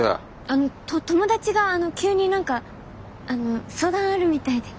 あのと友達が急に何かあの相談あるみたいで。